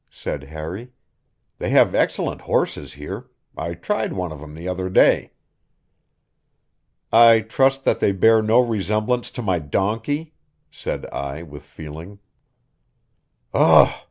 said Harry. "They have excellent horses here; I tried one of 'em the other day." "I trust that they bear no resemblance to my donkey," said I with feeling. "Ugh!"